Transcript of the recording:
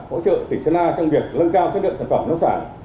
hỗ trợ tỉnh sơn la trong việc lân cao chất lượng sản phẩm nông sản